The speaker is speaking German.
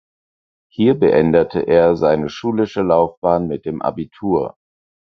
Hier beendete er seine schulische Laufbahn mit dem Abitur.